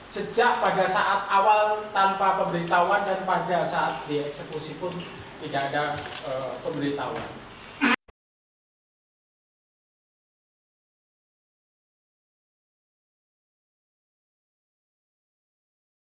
sejak pada saat awal tanpa pemberitahuan dan pada saat dieksekusi pun tidak ada pemberitahuan